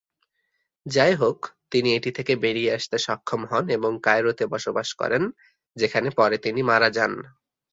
যাইহোক, তিনি এটি থেকে বেরিয়ে আসতে সক্ষম হন এবং কায়রোতে বসবাস করেন, যেখানে পরে তিনি মারা যান।